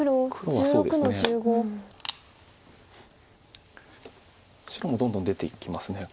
白もどんどん出ていきますね。